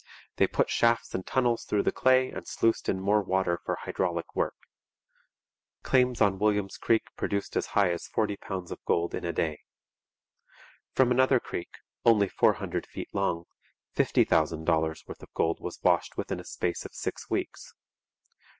They put shafts and tunnels through the clay and sluiced in more water for hydraulic work. Claims on William's Creek produced as high as forty pounds of gold in a day. From another creek, only four hundred feet long, fifty thousand dollars' worth of gold was washed within a space of six weeks.